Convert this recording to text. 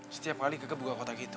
setiap kali gek ke buka kotak itu